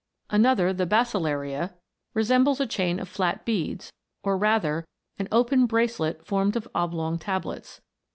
t Another resembles a chain of flat beads, or rather, an open bracelet formed of oblong tablets.